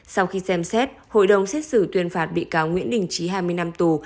sau khi xem xét hội đồng xét xử tuyên phạt bị cáo nguyễn đình trí hai mươi năm tù